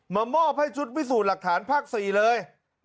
มอบให้ชุดพิสูจน์หลักฐานภาค๔เลย